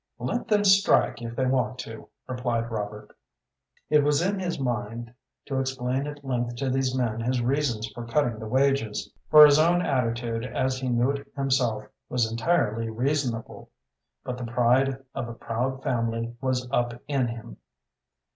"Let them strike if they want to," replied Robert. It was in his mind to explain at length to these men his reasons for cutting the wages for his own attitude as he knew it himself was entirely reasonable but the pride of a proud family was up in him.